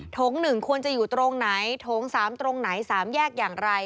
โถง๑ควรจะอยู่ตรงไหนโถง๓ตรงไหน๓แยกอย่างไร